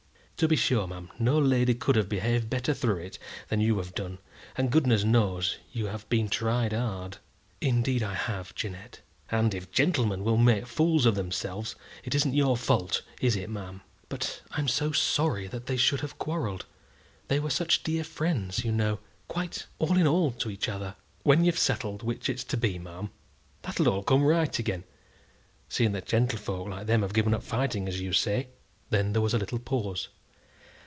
"To be sure, ma'am, no lady could have behaved better through it than you have done, and goodness knows you have been tried hard." "Indeed I have, Jeannette." "And if gentlemen will make fools of themselves, it isn't your fault; is it, ma'am?" "But I'm so sorry that they should have quarrelled. They were such dear friends, you know; quite all in all to each other." "When you've settled which it's to be, ma'am, that'll all come right again, seeing that gentlefolks like them have given up fighting, as you say." Then there was a little pause.